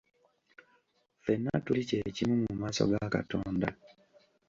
Ffenna tuli kye kimu mu maaso ga Katonda.